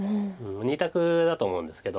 ２択だと思うんですけど。